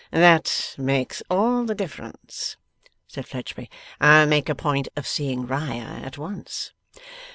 'That makes all the difference,' said Fledgeby. 'I'll make a point of seeing Riah at once.